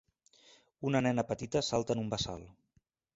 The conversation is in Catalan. Una nena petita salta en un bassal